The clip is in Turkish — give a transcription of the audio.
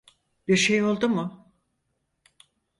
Bir şey oldu mu?